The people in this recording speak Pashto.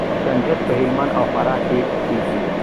کنجد په هلمند او فراه کې کیږي.